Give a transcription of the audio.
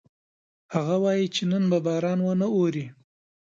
هغه وایي چې نن به باران ونه اوري